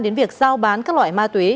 đến việc giao bán các loại má túy